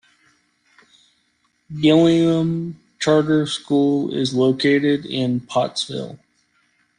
Gillingham Charter School is located in Pottsville.